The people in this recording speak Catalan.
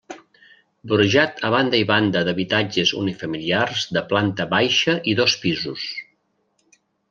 Vorejat a banda i banda d'habitatges unifamiliars de planta baixa i dos pisos.